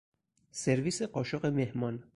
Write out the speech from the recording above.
سرویس قاشق مهمان